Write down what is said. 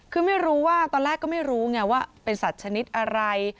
คือไม่รู้ว่าตอนแรกก็ไม่รู้ไงว่าเป็นสัตว์ชนิดอะไร